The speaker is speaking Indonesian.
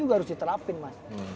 juga harus diterapin mas